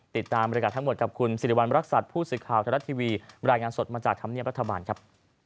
ติดตามบริการทั้งหมดกับคุณสิริวัณรักษัตริย์ผู้สื่อข่าวไทยรัฐทีวีรายงานสดมาจากธรรมเนียบรัฐบาลครับ